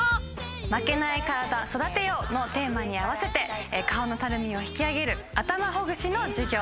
「負けないカラダ、育てよう」のテーマに合わせて顔のたるみを引き上げる頭ほぐしの授業。